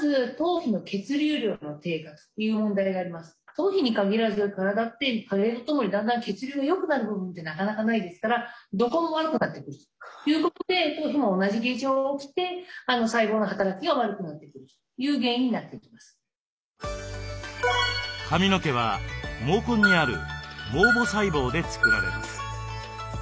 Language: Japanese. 頭皮に限らず体って加齢とともにだんだん血流がよくなる部分ってなかなかないですからどこも悪くなってくるということで頭皮も同じ現象が起きて髪の毛は毛根にある毛母細胞で作られます。